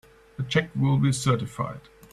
The check will be certified.